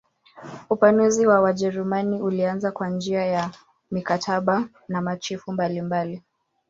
Upanuzi wa Wajerumani ulianza kwa njia ya mikataba na machifu mbalimbali.